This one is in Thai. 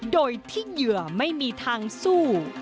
โดยที่เหยื่อไม่มีทางสู้